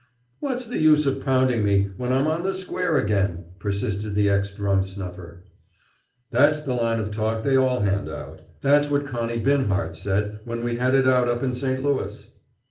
"What's the use of pounding me, when I'm on the square again?" persisted the ex drum snuffer. "That's the line o' talk they all hand out. That's what Connie Binhart said when we had it out up in St. Louis."